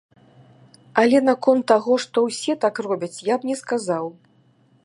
Але наконт таго, што ўсе так робяць, я б не сказаў.